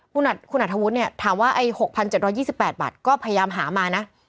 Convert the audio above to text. คุณอัฐวุธถามว่า๖๗๒๘บาทก็พยายามหามานะ